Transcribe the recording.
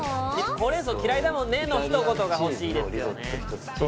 「ホウレンソウ嫌いだもんね」のひと言が欲しいですよね。